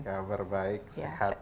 kabar baik sehat